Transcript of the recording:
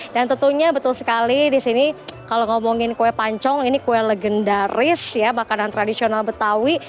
dan tentunya betul sekali disini kalau ngomongin kue pancong ini kue legendaris ya makanan tradisional betawi